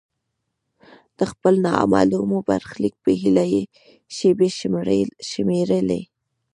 د خپل نامعلوم برخلیک په هیله یې شیبې شمیرلې.